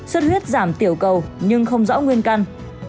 xuất huyết giảm tiểu cầu nhưng không rõ nguyên căn